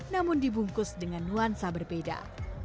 namun dibungkus dengan nuansa berbeda